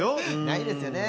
ないですよね。